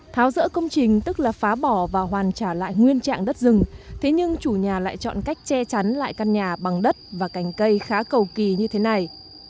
tháo dỡ công trình tức là phá bỏ và hoàn trả lại nguyên trạng đất rừng thế nhưng chủ nhà lại chọn cách che chắn lại căn nhà bằng đất và cành cây khá cầu kỳ như thế này